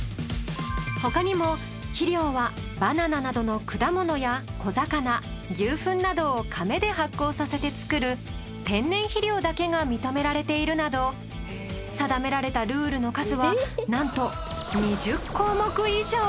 他にも肥料はバナナなどの果物や小魚牛糞などを甕で発酵させて作る天然肥料だけが認められているなど定められたルールの数はなんと２０項目以上。